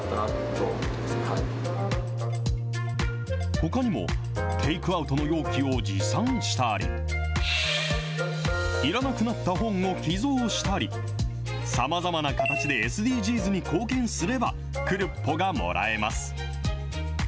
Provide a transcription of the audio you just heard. ほかにも、テイクアウトの容器を持参したり、いらなくなった本を寄贈したり、さまざまな形でＳＤＧｓに貢献すれば、クルッポがもらえます。